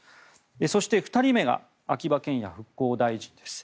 そして、２人目が秋葉賢也復興大臣です。